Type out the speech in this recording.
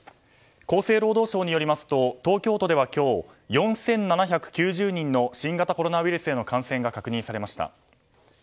厚生労働省によりますと東京都では今日４７９０人の新型コロナウイルスへの感染が確認されました。